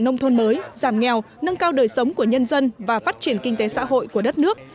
nông thôn mới giảm nghèo nâng cao đời sống của nhân dân và phát triển kinh tế xã hội của đất nước